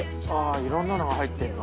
「色んなのが入ってるの？